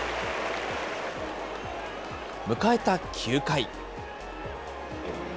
迎えた９回。